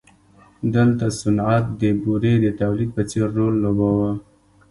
دلته صنعت د بورې د تولید په څېر رول لوباوه.